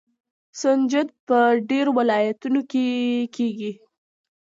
سنجد په ډیرو ولایتونو کې کیږي.